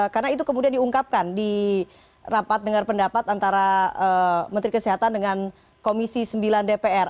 karena itu kemudian diungkapkan di rapat dengar pendapat antara menteri kesehatan dengan komisi sembilan dpr